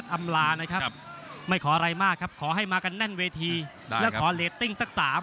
โดนตะโกหมดยกที่สอง